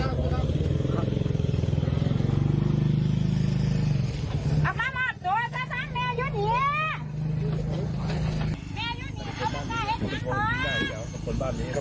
รำรวจก็ปิดล้อมไล่มันสวมประหลังไล่อ้อยท้ายหมู่บ้านบ้านโคกสะอาดที่ตำบลทองหลางเอาไว้นะครับ